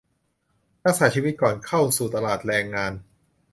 ทักษะชีวิตก่อนเข้าสู่ตลาดแรงงาน